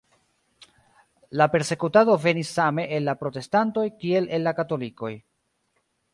La persekutado venis same el la protestantoj, kiel el la katolikoj.